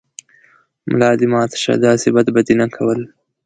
ملا دې ماته شۀ، داسې بد به دې نه کول